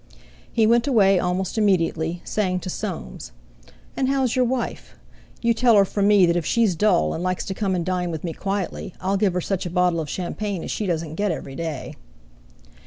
He went away almost immediately, saying to Soames: "And how's your wife? You tell her from me that if she's dull, and likes to come and dine with me quietly, I'll give her such a bottle of champagne as she doesn't get every day."